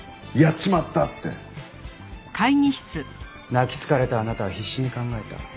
泣きつかれたあなたは必死に考えた。